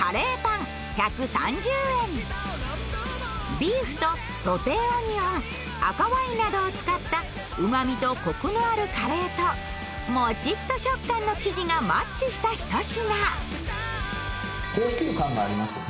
ビーフとソテーオニオン、赤ワインなどを使ったうまみとこくのあるカレーともちっと食感の生地がマッチした一品。